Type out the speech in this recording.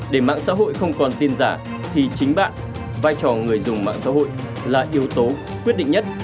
để mạng xã hội không còn tin giả thì chính bạn vai trò người dùng mạng xã hội là yếu tố quyết định nhất